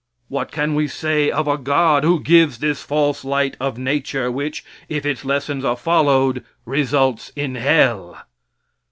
What can we say of a God who gives this false light of nature which, if its lessons are followed, results in hell?